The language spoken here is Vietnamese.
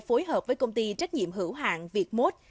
phối hợp với công ty trách nhiệm hữu hạng việt mốt